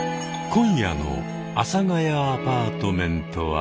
今夜の「阿佐ヶ谷アパートメント」は。